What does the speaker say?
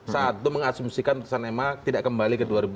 saat itu mengasumsikan keputusan ma tidak kembali ke dua ribu empat belas